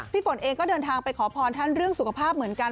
ฝนเองก็เดินทางไปขอพรท่านเรื่องสุขภาพเหมือนกัน